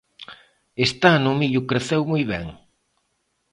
Este ano o millo creceu moi ben.